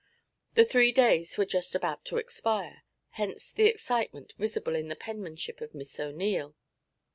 The three days were just about to expire, hence the excitement visible in the penmanship of Miss O'Neil.